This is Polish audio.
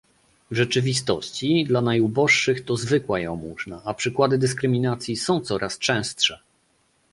W rzeczywistości, dla najuboższych to zwykła jałmużna, a przykłady dyskryminacji są coraz częstsze